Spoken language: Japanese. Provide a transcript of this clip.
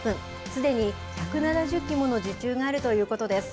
すでに１７０機もの受注があるということです。